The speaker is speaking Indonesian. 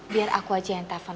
biar aku aja yang telpon